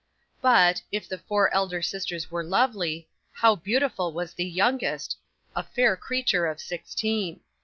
'But, if the four elder sisters were lovely, how beautiful was the youngest, a fair creature of sixteen!